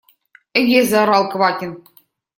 – Эге! – заорал Квакин.